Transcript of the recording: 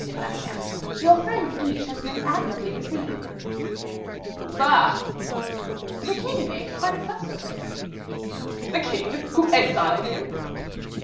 Manicamp; your friend De Guiche has been admirably received." "Bah!" "The king made quite a fuss over him." "The king, who exiled him!"